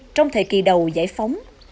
trong thời kỳ đầu giải phóng